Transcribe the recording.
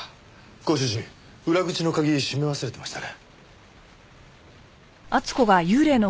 ご主人裏口の鍵閉め忘れてましたね。